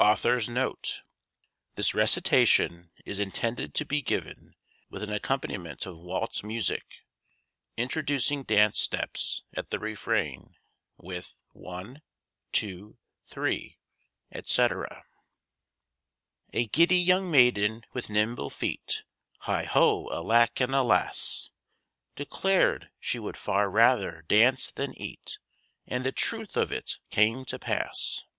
THE GIDDY GIRL [This recitation is intended to be given with an accompaniment of waltz music, introducing dance steps at the refrain "With one, two, three," etc.] A giddy young maiden with nimble feet, Heigh ho! alack and alas! Declared she would far rather dance than eat, And the truth of it came to pass.